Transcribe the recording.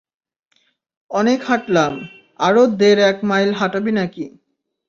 অনেক হাটলাম, আরো দেড় এক মাইল হাটাবি নাকি?